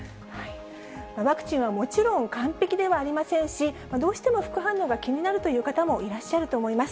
ワクチンはもちろん完璧ではありませんし、どうしても副反応が気になるという方もいらっしゃると思います。